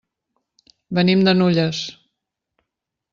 Venim de Nulles.